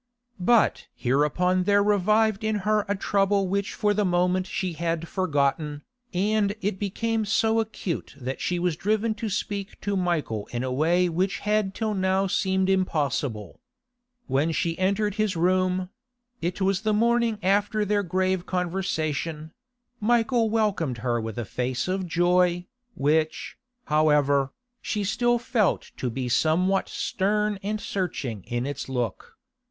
But hereupon there revived in her a trouble which for the moment she had forgotten, and it became so acute that she was driven to speak to Michael in a way which had till now seemed impossible. When she entered his room—it was the morning after their grave conversation—Michael welcomed her with a face of joy, which, however, she still felt to be somewhat stern and searching in its look.